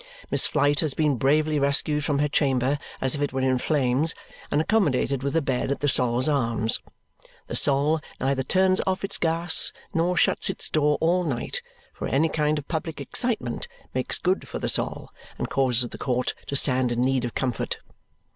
Miss Flite has been bravely rescued from her chamber, as if it were in flames, and accommodated with a bed at the Sol's Arms. The Sol neither turns off its gas nor shuts its door all night, for any kind of public excitement makes good for the Sol and causes the court to stand in need of comfort.